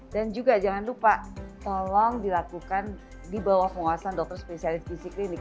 dan juga jangan lupa tolong dilakukan di bawah penguasaan dr spesialis gizi klinik